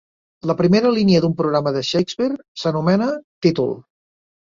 La primera línia d'un programa de Shakespeare s'anomena "títol".